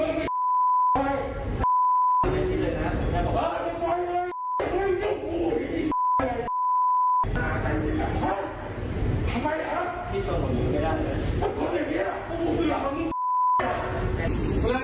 พูดด่าไปซักคำรึยามเด็กมันรบล่ายแรงเพราะว่าอะไร